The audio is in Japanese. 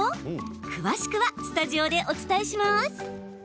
詳しくはスタジオでお伝えします。